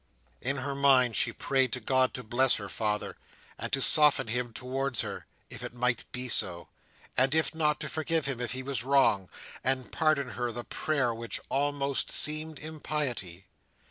In her mind, she prayed to God to bless her father, and to soften him towards her, if it might be so; and if not, to forgive him if he was wrong, and pardon her the prayer which almost seemed impiety.